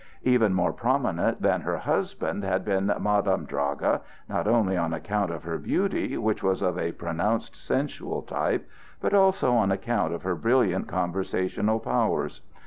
Even more prominent than her husband had been Madame Draga, not only on account of her beauty, which was of a pronounced sensual type, but also on account of her brilliant conversational powers.